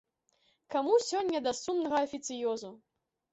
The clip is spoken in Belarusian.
Каму сёння да сумнага афіцыёзу.